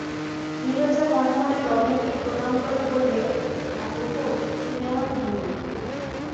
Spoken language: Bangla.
নীরজা মনে মনে রমেনকে প্রণাম করে বললে, ঠাকুরপো, তুমি আমার গুরু।